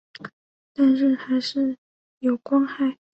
但是还是有光害